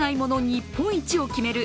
日本一を決める